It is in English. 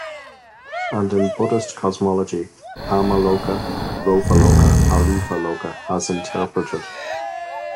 And in Buddhist Cosmology Kama-Loka, Rupa-Loka, Arupa-Loka has interpreted.